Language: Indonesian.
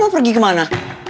mau pergi kemana